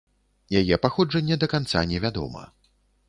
Яе паходжанне да канца не вядома.